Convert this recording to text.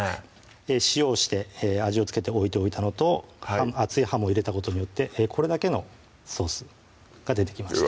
塩をして味を付けて置いておいたのと熱いハムを入れたことによってこれだけのソースが出てきました